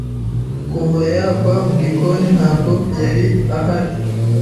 Kuva yagwa mu gikoni, ntabwo yari ahari.